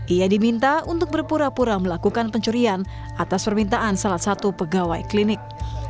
ia diminta untuk berpura pura melakukan pencurian atas permintaan salah satu pegawai klinik